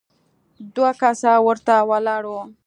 دوه کسه ورته ولاړ وو.